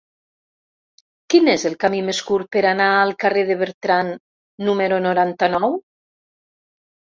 Quin és el camí més curt per anar al carrer de Bertran número noranta-nou?